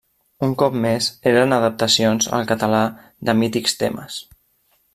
Un cop més eren adaptacions al català de mítics temes.